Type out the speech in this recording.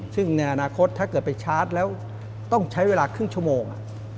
ซึ่งในอนาคตถ้าเกิดไปชาร์จแล้วต้องใช้เวลาครึ่งชั่วโมง